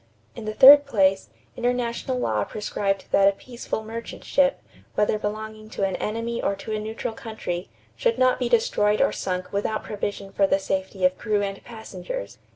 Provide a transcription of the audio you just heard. In the third place, international law prescribed that a peaceful merchant ship, whether belonging to an enemy or to a neutral country, should not be destroyed or sunk without provision for the safety of crew and passengers.